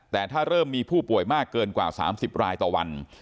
แต่ถ้าเริ่มมีผู้ป่วยมากเกินกว่า๓๐รายต่อวัน